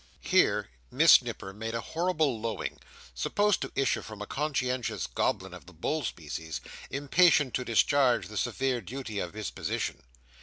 Here Miss Nipper made a horrible lowing, supposed to issue from a conscientious goblin of the bull species, impatient to discharge the severe duty of his position.